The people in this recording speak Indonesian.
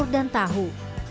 dengan telur dan tahu